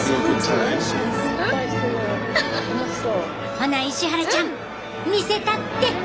ほな石原ちゃん見せたって。